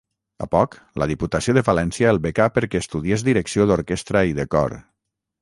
A poc, la Diputació de València el becà perquè estudiés Direcció d'orquestra i de cor.